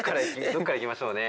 どっからいきましょうね。